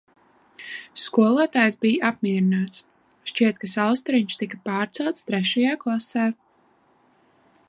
Skolotājs bija apmierināts, šķiet ka Saulstariņš tiks pārcelts trešajā klasē.